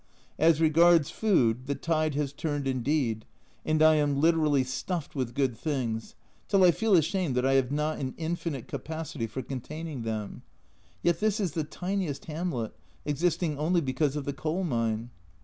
As regards food the tide has turned indeed, and I am literally stuffed with good things, till I feel ashamed that I have not an infinite capacity for containing them ; yet this is the tiniest hamlet, existing only because of the coal mine.